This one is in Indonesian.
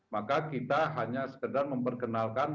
maka kita hanya sekedar memperkenalkan